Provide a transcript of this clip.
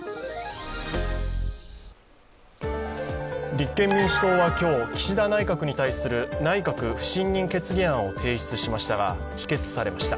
立憲民主党は今日、岸田内閣に対する内閣不信任決議案を提出しましたが、否決されました。